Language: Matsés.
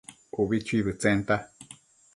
ubi chuibëdtsenta